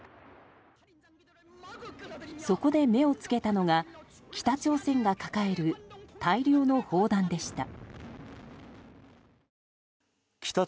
そこで目を付けたのが北朝鮮が抱える大量の砲弾でした。